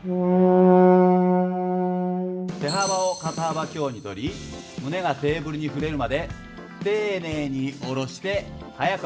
手幅を肩幅強にとり胸がテーブルに触れるまで丁寧に下ろして速く上げます。